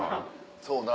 そうな。